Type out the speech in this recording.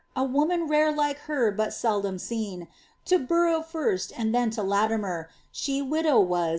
A woman rare like her but seldom seen. To Borough first, and then to Latimer, She widow was.